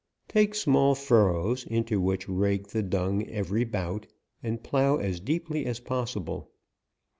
Take small furrows, into which rake the dung eve ry 'bout, and plough as deeply as possible.